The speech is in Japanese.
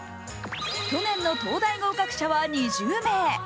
去年の灯台合格者は２０名。